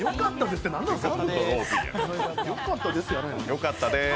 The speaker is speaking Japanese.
よかったです？